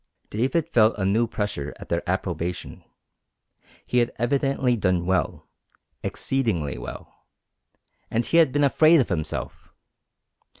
David felt a new pleasure at their approbation. He had evidently done well, exceedingly well. And he had been afraid of himself!